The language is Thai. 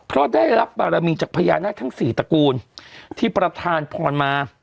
เพราะได้รับบารมีจากพญานาคทั้งสี่ตระกูลที่ประธานพรมา